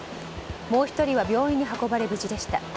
もう１人は病院に運ばれ無事でした。